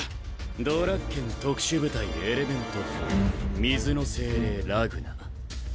ドラッケン特殊部隊エレメント４水の精霊・ラグナ。